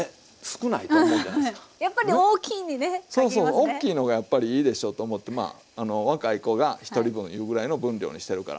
おっきいのがやっぱりいいでしょと思ってまあ若い子が１人分いうぐらいの分量にしてるから。